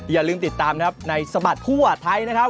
อย่าลืมติดตามนะครับในสบัดทั่วไทยนะครับ